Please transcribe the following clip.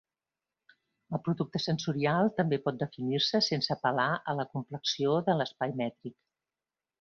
El producte tensorial també pot definir-se sense apel·lar a la compleció de l'espai mètric.